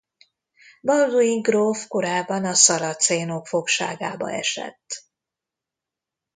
Balduin gróf korábban a szaracénok fogságába esett.